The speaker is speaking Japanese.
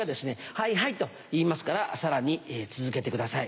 「はいはい」と言いますからさらに続けてください。